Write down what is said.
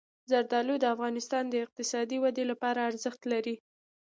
زردالو د افغانستان د اقتصادي ودې لپاره ارزښت لري.